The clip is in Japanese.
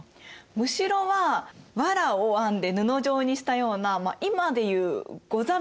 むしろはわらを編んで布状にしたような今で言うござみたいなものかな。